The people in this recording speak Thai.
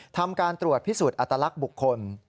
ทำการตรวจพิสูจน์อัตลักษณ์บุคคล